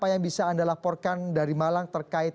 anda laporkan dari malang terkait